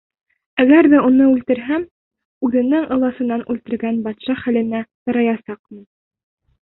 Әгәр ҙә уны үлтерһәм, үҙенең ыласынын үлтергән батша хәленә тарыясаҡмын.